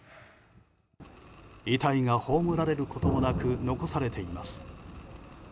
遺体が葬られることもなく残されています。